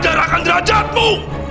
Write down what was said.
ajar akan derajatmu